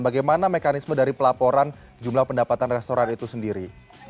bagaimana mekanisme dari pelaporan jumlah pendapatan restoran itu sendiri